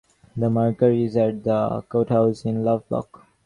The marker is at the courthouse in Lovelock.